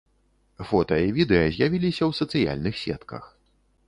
Фота і відэа з'явіліся ў сацыяльных сетках.